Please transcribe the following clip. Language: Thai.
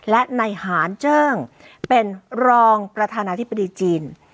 และในหารเจิ้งเป็นรองประธานาธิบดีจีน